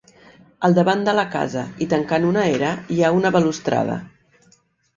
Al davant de la casa, i tancant una era, hi ha una balustrada.